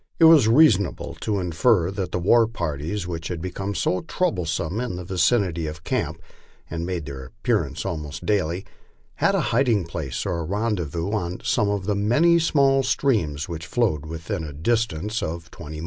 It was reasonable to infer that the war parties which had become so troublesome in the vicinity of camp, and made their appearance almost daily, had a hiding place or rendezvous ou some of the many small streams which flowed within a distance of twenty 130 LIFE ON THE PLAINS.